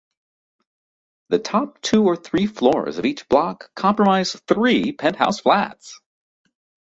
The top two or three floors of each block comprise three penthouse flats.